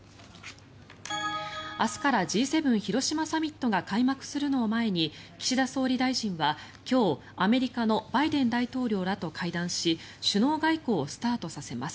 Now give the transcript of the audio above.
明日からＧ７広島サミットが開幕するのを前に岸田総理大臣は今日アメリカのバイデン大統領らと会談し首脳外交をスタートさせます。